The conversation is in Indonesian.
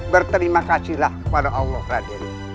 berterima kasihlah kepada allah raden